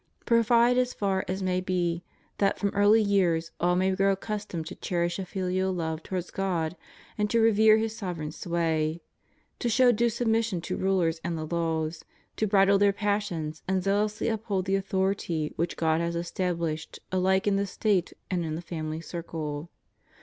Provide as far as may be that from early years all may grow accustomed to cherish a filial love towards God, and to revere His sovereign sway; to show due submission to rulers and the laws ; to bridle their passions and zealously uphold the authority which God has established alike in the State and in the family circle.